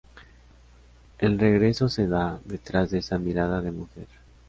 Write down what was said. El regreso se da, detrás de esa Mirada de Mujer...